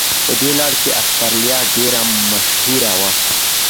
په دې لړ کې استرالیا ډېره مشهوره وه.